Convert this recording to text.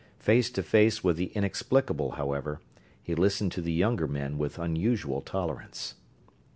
Face to face with the inexplicable, however, he listened to the younger men with unusual tolerance.